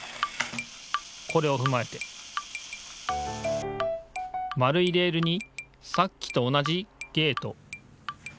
これをふまえて円いレールにさっきと同じゲート。